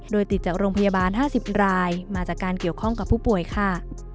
โดยติดจากโรงพยาบาล๕๐รายมาจากการเกี่ยวข้องกับผู้ป่วยค่ะ